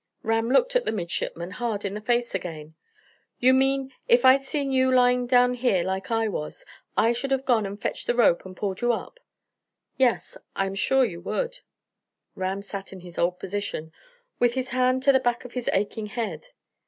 Ram looked the midshipman hard in the face again. "You mean, if I'd seen you lying down here like I was, I should have gone and fetched the rope and pulled you up?" "Yes; I am sure you would." Ram sat in his old position, with his hand to the back of his aching head.